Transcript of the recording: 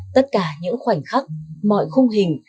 tất cả những khoảnh khắc mọi khung hình